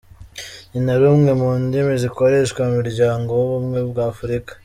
"Ni na rumwe mu ndimi zikoreshwa mu muryango w'Ubumwe bw'Afurika.